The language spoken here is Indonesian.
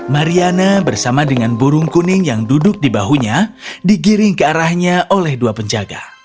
mariana bersama dengan burung kuning yang duduk di bahunya digiring ke arahnya oleh dua penjaga